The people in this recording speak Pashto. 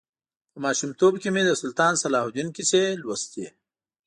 په ماشومتوب کې مې د سلطان صلاح الدین کیسې لوستې.